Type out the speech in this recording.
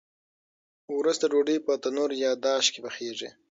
وروسته ډوډۍ په تنور یا داش کې پخیږي.